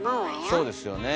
そうですよね。